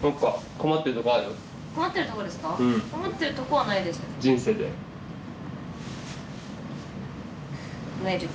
困ってるとこはないです。